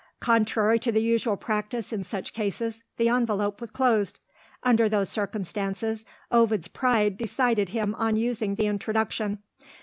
Contrary to the usual practice in such cases, the envelope was closed. Under those circumstances, Ovid's pride decided him on using the introduction.